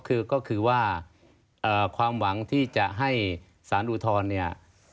คือก็คือว่าความหวังที่จะให้สารอุทธรณ์เนี่ย